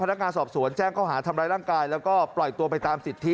นักงานสอบสวนแจ้งเขาหาทำร้ายร่างกายแล้วก็ปล่อยตัวไปตามสิทธิ